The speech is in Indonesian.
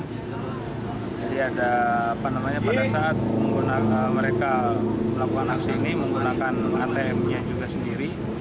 jadi ada pada saat mereka melakukan aksi ini menggunakan atm nya juga sendiri